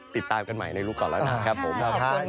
ติดตามกันใหม่ในลูกก่อนแล้วนะครับผม